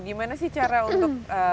gimana sih cara untuk